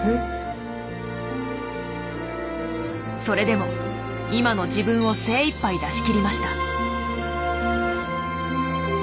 それでも今の自分を精いっぱい出しきりました。